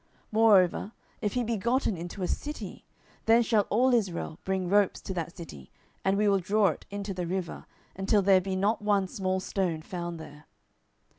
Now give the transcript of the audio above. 10:017:013 Moreover, if he be gotten into a city, then shall all Israel bring ropes to that city, and we will draw it into the river, until there be not one small stone found there.